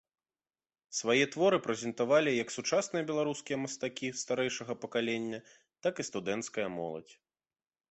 Свае творы прэзентавалі як сучасныя беларускія мастакі старэйшага пакалення, так і студэнцкая моладзь.